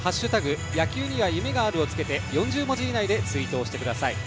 野球には夢がある」をつけて４０文字以内でツイートしてください。